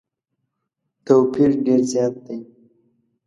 توپیر ډېر زیات دی.